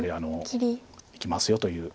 いきますよという。